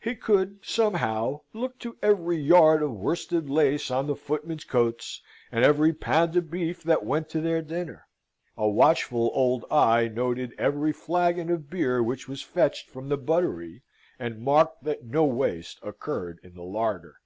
He could, somehow, look to every yard of worsted lace on the footmen's coats, and every pound of beef that went to their dinner. A watchful old eye noted every flagon of beer which was fetched from the buttery, and marked that no waste occurred in the larder.